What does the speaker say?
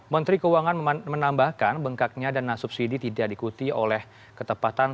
menteri keuangan menambahkan bengkaknya dana subsidi tidak diikuti oleh ketepatan